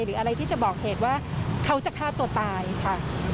หรืออะไรที่จะบอกเหตุว่าเขาจะฆ่าตัวตายค่ะ